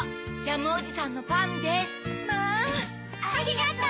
ありがとう。